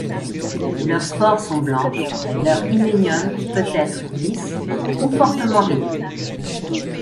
Leurs spores sont blanches, leur hyménium peut être lisse ou fortement ridé.